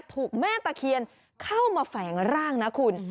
ถูกแม่ตะเคียนเข้ามาแฝงร่างนะคุณ